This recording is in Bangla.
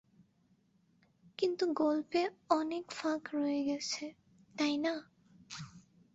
কিন্তু গল্পে অনেক ফাঁক রয়ে গেছে, তাই না?